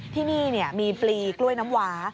ที่นี่มีปลีกล้วยน้ำหวา